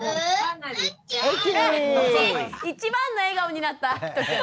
一番の笑顔になった。